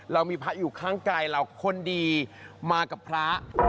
เรามีพระอยู่ข้างกายเราคนดีมากับพระ